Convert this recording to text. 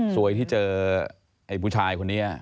สวยที่เจอไอ้ผู้ชายคนนี้